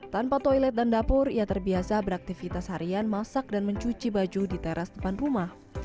tanpa toilet dan dapur ia terbiasa beraktivitas harian masak dan mencuci baju di teras depan rumah